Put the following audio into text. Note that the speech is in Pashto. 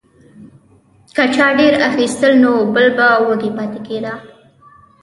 که چا ډیر اخیستل نو بل به وږی پاتې کیده.